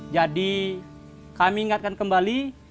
jadi kami ingatkan kembali